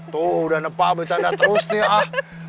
tuh udah nepah bercanda terus nih ah